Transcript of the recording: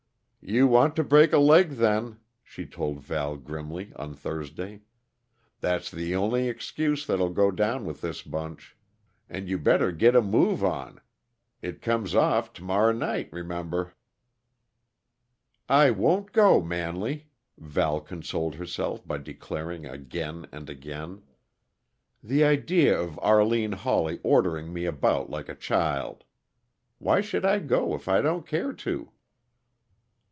"You want to break a leg, then," she told Val grimly on Thursday. "That's the only excuse that'll go down with this bunch. And you better git a move on it comes off to morrer night, remember." "I won't go, Manley!" Val consoled herself by declaring, again and again. "The idea of Arline Hawley ordering me about like a child! Why should I go if I don't care to go?"